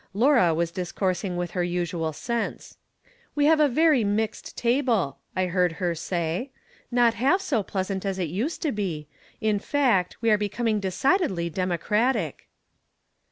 Laura was discoursing with her usual sense. " We have a very mixed table," I heard her say. " Not half so pleasant as it used to be ; in fact, we are becoming decidedly democratic."